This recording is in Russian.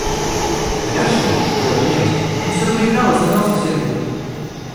Яшвин — его приятель — он всё проиграл и собрался в Сербию.